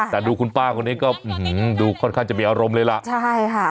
แต่ดูคุณป้าคนนี้ก็ดูค่อนข้างจะมีอารมณ์เลยล่ะใช่ค่ะ